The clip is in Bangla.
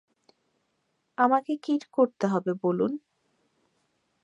আমাকে কী করতে হবে বলুন।